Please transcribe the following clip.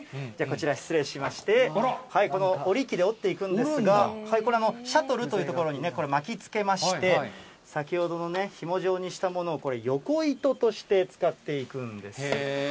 こちら、失礼しまして、この織り機で織っていくんですが、これ、シャトルという所にこれを巻きつけまして、先ほどのひも状にしたものをこれ、横糸として使っていくんです。